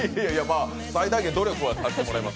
最大限努力はさせていただきます。